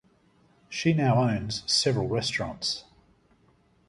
She now owns several restaurants.